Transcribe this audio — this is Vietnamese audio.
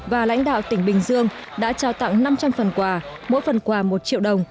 và lãnh đạo tỉnh bình dương đã trao tặng năm trăm linh phần quà mỗi phần quà một triệu đồng